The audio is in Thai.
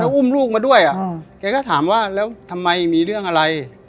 อุ้มลูกมาด้วยแกก็ถามว่าแล้วทำไมมีเรื่องอะไร